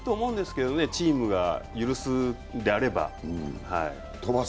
飛ばしてもいいと思うんですけどね、チームが許すのであれば。